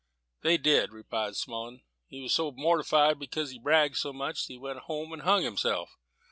"They said," replied Smullen, "he was so mortified because he'd bragged so much, that he went home and hung himself.